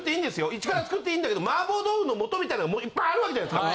イチから作っていいんだけど麻婆豆腐の素みたいなのがもういっぱいあるわけじゃないですか。